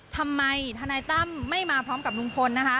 ทำไมทนายตั้มไม่มาพร้อมกับลุงพล